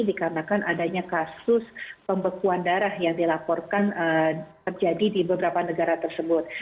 dikarenakan adanya kasus pembekuan darah yang dilaporkan terjadi di beberapa negara tersebut